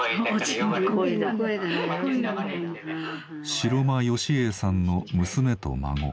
城間芳英さんの娘と孫。